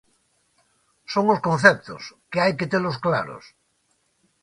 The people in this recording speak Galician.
Son os conceptos, que hai que telos claros.